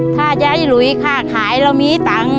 ถ้ายายหลุยค่าขายเรามีตังค์